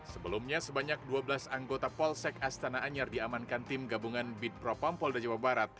sebelumnya sebanyak dua belas anggota polsek astana anyar diamankan tim gabungan bid propam polda jawa barat